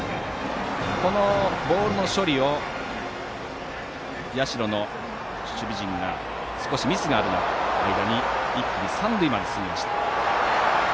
このボールの処理で社の守備陣に少しミスがある間に一気に三塁まで進みました。